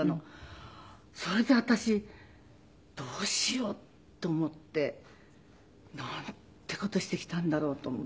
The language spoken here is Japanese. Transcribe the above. それで私どうしようと思って。なんて事してきたんだろうと思って。